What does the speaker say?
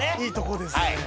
いいとこですね。